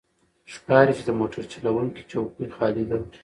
ښکاري چې د موټر چلوونکی څوکۍ خالي ده.